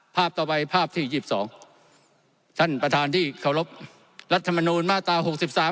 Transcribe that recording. ภาพต่อไปภาพที่๒๒ท่านประธานที่เคารพรัฐมนตร์มาตรา๖๓